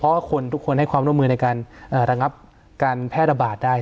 เพราะว่าคนทุกคนให้ความร่วมมือในการระงับการแพร่ระบาดได้